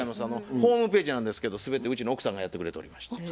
ホームページなんですけど全てうちの奥さんがやってくれておりまして。